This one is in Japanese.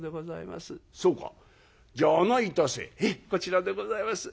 「ええこちらでございます。